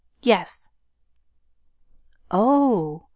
"Yes." "Oh!"